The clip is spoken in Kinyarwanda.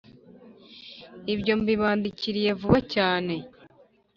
Ibyo mbibandikiriye vuba cyane